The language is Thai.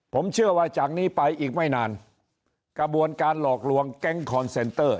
ผมเชื่อว่าจากนี้ไปอีกไม่นานกระบวนการหลอกลวงแก๊งคอนเซนเตอร์